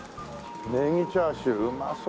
ネギチャーシューうまそう。